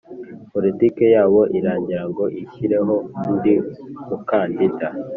politiki yabo iragira ngo ishyireho undi mukandida